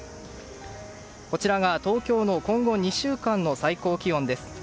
こちらが東京の今後２週間の最高気温です。